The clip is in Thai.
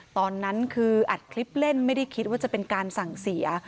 ตอนนั้นคืออัดคลิปเล่นไม่ได้คิดว่าจะเป็นการสั่งเสีย